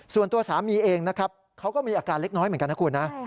ส่วนตัวสามีเองนะครับเขาก็มีอาการเล็กน้อยเหมือนกันนะคุณนะ